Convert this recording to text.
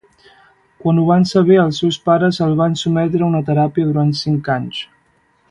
Quan ho van saber els seus pares el van sotmetre a teràpia durant cinc anys.